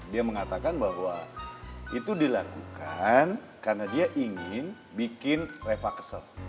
dia mengatakan bahwa itu dilakukan karena dia ingin bikin refaxel